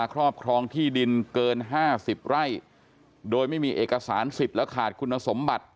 ครอบครองที่ดินเกิน๕๐ไร่โดยไม่มีเอกสารสิทธิ์และขาดคุณสมบัติ